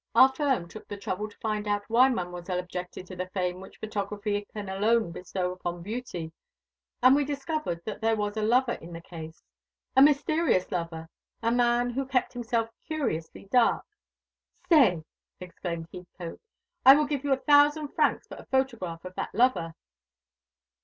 Our firm took the trouble to find out why Mademoiselle objected to the fame which photography can alone bestow upon beauty; and we discovered that there was a lover in the case a mysterious lover; a man who kept himself curiously dark " "Stay!" exclaimed Heathcote. "I will give you a thousand francs for a photograph of that lover."